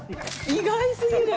意外すぎる！